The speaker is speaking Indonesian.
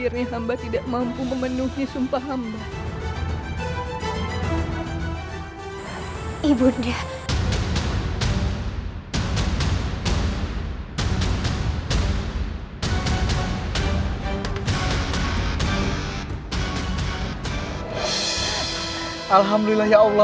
ini benar benar hari keberuntungan kita nanti